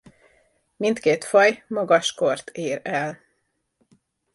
Mindkét faj magas kort ér el.